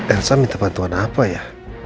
elsa minta bantuan apa ya